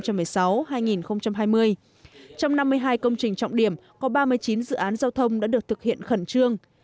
trong năm mươi hai công trình trọng điểm có ba mươi chín dự án giao thông đã được thực hiện khẩn trương